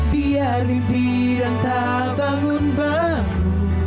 biar mimpi yang tak bangun baru